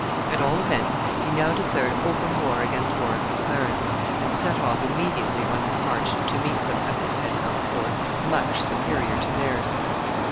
At all events, he now declared open war against Warwick and Clarence, and set off immediately on his march to meet them, at the head of a force much superior to theirs.